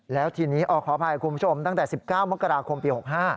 แล้วทีนี้ขออภัยคุณผู้ชมตั้งแต่๑๙มกราคมปี๖๕